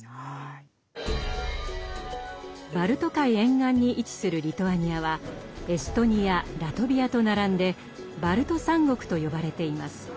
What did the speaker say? バルト海沿岸に位置するリトアニアはエストニアラトビアと並んで「バルト三国」と呼ばれています。